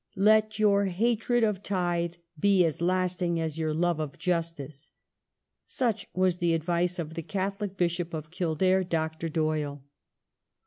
" Let your hatred of * Tithe ' be as lasting as your love of j ustice." Such was the advice of the Catholic Bishop of Kildare, Dr. Doyle.